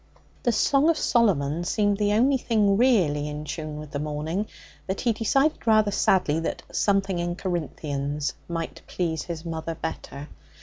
The Song of Solomon seemed the only thing really in tune with the morning, but he decided rather sadly that 'something in Corinthians' might please his mother better.